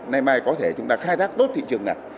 nay mai có thể chúng ta khai thác tốt thị trường này